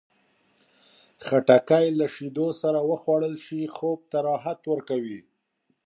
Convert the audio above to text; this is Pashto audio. خټکی له شیدو سره وخوړل شي، خوب ته راحت ورکوي.